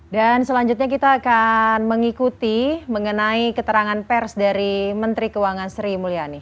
dan selanjutnya kita akan mengikuti mengenai keterangan pers dari menteri keuangan sri mulyani